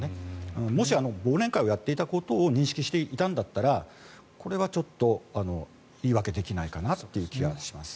もし、忘年会をやっていたことを認識したんだったらこれは言い訳できないかなという気がします。